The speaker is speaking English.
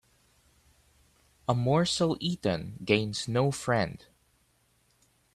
A morsel eaten gains no friend